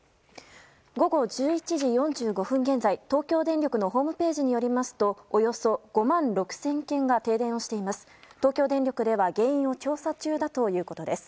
午後１１時４５分現在東京電力のホームページによりますとおよそ５万６０００軒が停電をしています。